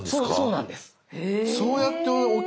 そうなんです